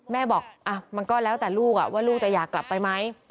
แม่บอกมันก็แล้วแต่ลูกว่าลูกจะอยากกลับไปไหม